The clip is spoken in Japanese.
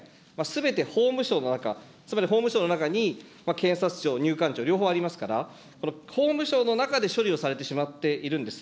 すべて法務省の中、つまり法務省の中に検察庁、入管庁、両方ありますから、法務省の中で処理をされてしまっているんです。